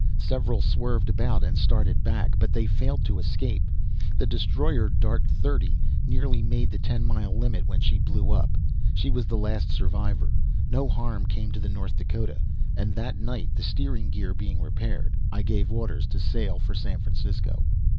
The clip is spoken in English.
Several swerved about and started back, but they failed to escape. The destroyer, Dart XXX, nearly made the ten mile limit when she blew up. She was the last survivor. No harm came to the North Dakota, and that night, the steering gear being repaired, I gave orders to sail for San Francisco."